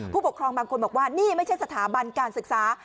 ผู้ปกครองบางคนบอกว่านี่ไม่ใช่สถาบันการศึกษา